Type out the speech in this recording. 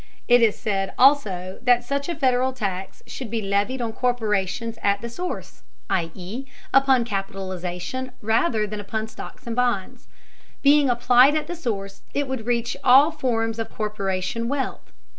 It is said also that such a Federal tax should be levied on corporations at the source, i.e. upon capitalization rather than upon stocks and bonds. Being applied at the source, it would reach all forms of corporation wealth.